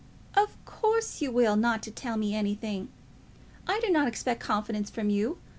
"Of course you will not tell me anything. I do not expect confidence from you.